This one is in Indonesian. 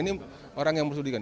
ini orang yang meresmikan